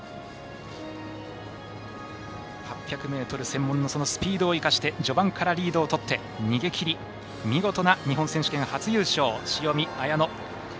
８００ｍ専門のスピードを生かして序盤からリードをとって逃げ切り見事な日本選手権、初優勝塩見綾乃。